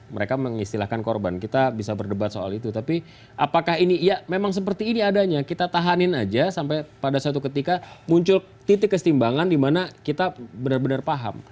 mereka mengistilahkan korban kita bisa berdebat soal itu tapi apakah ini ya memang seperti ini adanya kita tahanin aja sampai pada suatu ketika muncul titik kesetimbangan di mana kita benar benar paham